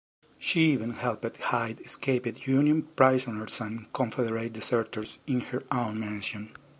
She even helped hide escaped Union prisoners and Confederate deserters in her own mansion.